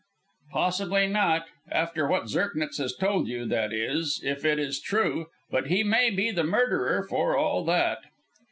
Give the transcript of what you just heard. "Possibly not, after what Zirknitz has told you that is, if it is true. But he may be the murderer for all that."